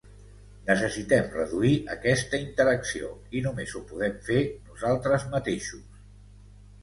Necessitem reduir aquesta interacció, i només ho podem fer nosaltres mateixos.